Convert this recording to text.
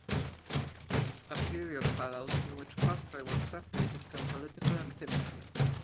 A period followed in which Foster was separated from political activity.